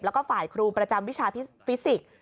แล้วก็ฝ่ายครูประจำวิชาฟิสิกส์